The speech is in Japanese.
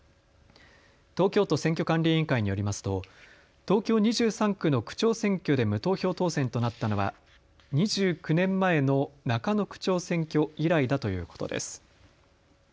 東京都選挙管理委員会によりますと、東京２３区の区長選挙で無投票当選となったのは２９年前の中野区長選挙以来だということです。